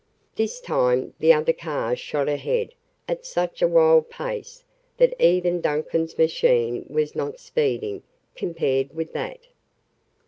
This time the other car shot ahead at such a wild pace that even Duncan's machine was not speeding compared with that.